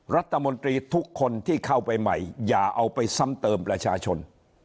รัฐมนตรีทุกคนที่เข้าไปใหม่อย่าเอาไปซ้ำเติมประชาชน